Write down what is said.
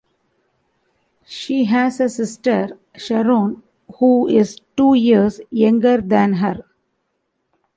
She has a sister, Sharon, who is two years younger than her.